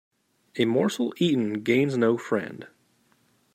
A morsel eaten gains no friend